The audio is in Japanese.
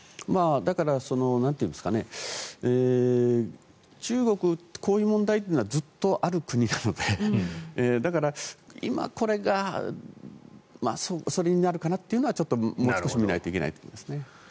だから、中国はこういう問題というのはずっとある国なのでだから、今これがそれになるかなというのはちょっともう少し見ないといけないと思います。